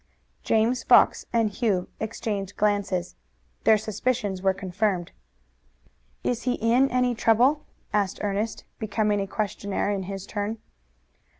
James Fox and Hugh exchanged glances. Their suspicions were confirmed. "Is he in any trouble?" asked Ernest, becoming a questioner in his turn.